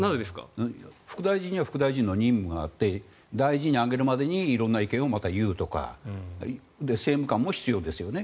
副大臣には副大臣の任務があって大臣に上げるまでに色んな意見を言うとか政務官も必要ですよね。